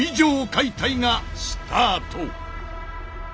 解体がスタート！